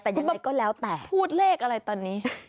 แต่ยังไงก็แล้วแต่พูดเลขอะไรตอนนี้